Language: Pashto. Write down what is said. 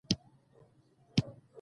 د واک ناسم مدیریت زیان رسوي